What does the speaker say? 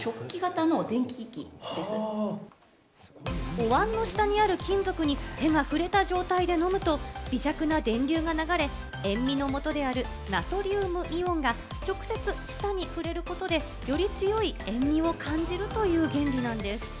おわんの下にある金属に手が触れた状態で飲むと微弱な電流が流れ、塩味のもとであるナトリウムイオンが直接、舌に触れることでより強い塩味を感じるという原理なんです。